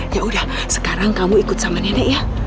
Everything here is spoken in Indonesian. ya udah sekarang kamu ikut sama nenek ya